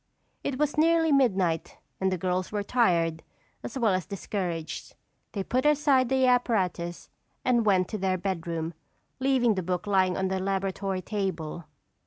It was nearly midnight and the girls were tired as well as discouraged. They put aside the apparatus and went to their bedroom, leaving the book lying on the laboratory table.